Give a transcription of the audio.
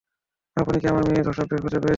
আপনি কি আমার মেয়ের ধর্ষকদের খুঁজে পেয়েছেন?